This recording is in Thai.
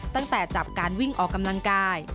ตั้งแต่จับการวิ่งออกกำลังกาย